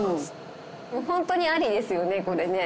ホントにありですよねこれね。